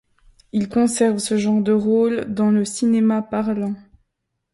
Il conserve ce genre de rôle dans le cinéma parlant.